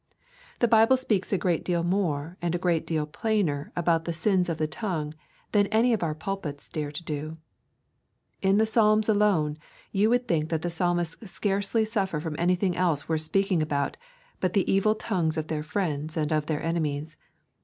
The Bible speaks a great deal more and a great deal plainer about the sins of the tongue than any of our pulpits dare to do. In the Psalms alone you would think that the psalmists scarcely suffer from anything else worth speaking about but the evil tongues of their friends and of their enemies.